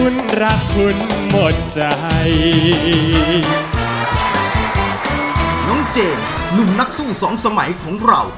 เจมส์หนุ่มนักสู้สองสมัยของเรา